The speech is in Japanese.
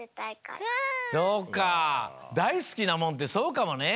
だいすきなもんってそうかもね。